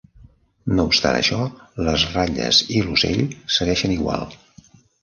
No obstant això, les ratlles i l'"ocell" segueixen igual.